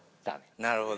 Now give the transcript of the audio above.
なるほど。